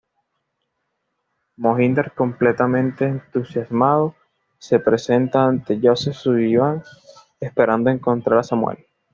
Mohinder completamente entusiasmado se presenta ante Joseph Sullivan esperando encontrar a Samuel.